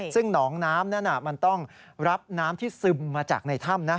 ซึ่งหนองน้ำนั้นมันต้องรับน้ำที่ซึมมาจากในถ้ำนะ